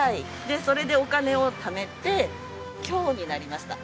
でそれでお金をためて今日になりました。